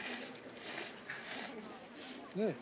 うん！